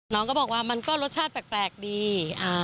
น้องก็บอกว่ามันก็รสชาติแปลกดี